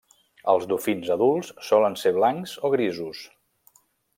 Els dofins adults solen ser blancs o grisos.